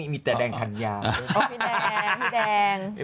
มีแต่แดงฮันนยา